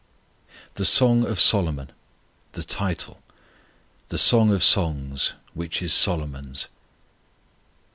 THE SONG OF SOLOMON THE TITLE "_The Song of Songs, which is Solomon's.